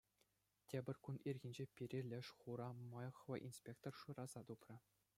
Тепӗр кун ирхине пире леш хура мӑйӑхлӑ инспектор шыраса тупрӗ.